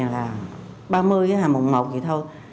là ba mươi mùng một vậy thôi